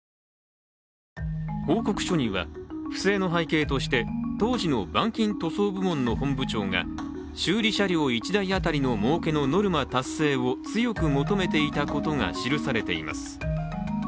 報告書には、不正の背景として当時の板金塗装部門の本部長が修理車両１台当たりのもうけのノルマ達成を強く求めていたことが記されています。